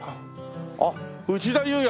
あっ内田裕也！